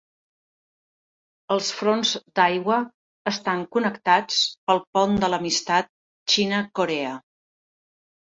Els fronts d'aigua estan connectats pel Pont de l'Amistat Xina-Corea.